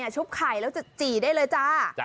ชุบไข่แล้วจะจี่ได้เลยจ้า